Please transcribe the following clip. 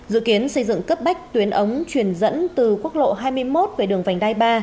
dự kiến xây dựng cấp bách tuyến ống truyền dẫn từ quốc lộ hai mươi một về đường vành đai ba